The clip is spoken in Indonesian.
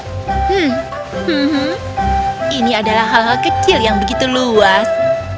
hmm ini adalah hal hal kecil yang begitu luas